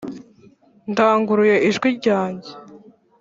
ndanguruye ijwi ryanjye